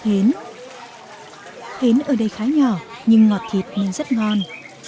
hến ở đây khá nhỏ nhưng ngọt thịt nên rất ngon